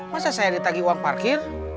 masa saya ditagi uang parkir